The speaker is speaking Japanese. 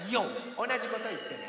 おなじこといってね。